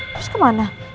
terus ke mana